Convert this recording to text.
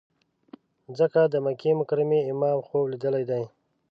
ځکه د مکې مکرمې امام خوب لیدلی دی.